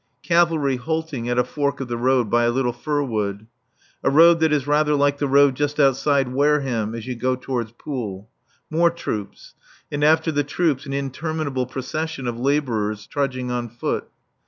Cavalry halting at a fork of the road by a little fir wood. A road that is rather like the road just outside Wareham as you go towards Poole. More troops. And after the troops an interminable procession of labourers trudging on foot.